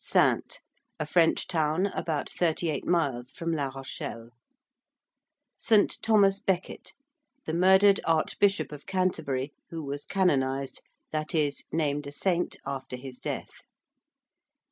~Saintes~: a French town about thirty eight miles from La Rochelle. ~St. Thomas Becket~, the murdered Archbishop of Canterbury, who was canonised, that is, named a saint after his death.